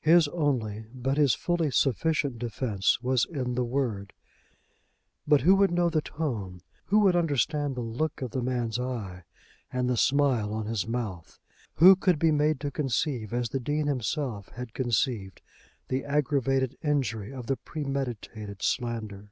His only, but his fully sufficient defence was in the word. But who would know the tone? Who would understand the look of the man's eye and the smile on his mouth? Who could be made to conceive, as the Dean himself had conceived, the aggravated injury of the premeditated slander?